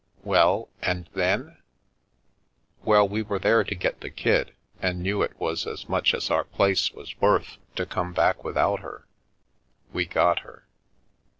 •Well— and then?" "Well — we were there to get the kid, and knew it was as much as our place was worth to come back without her. We got her.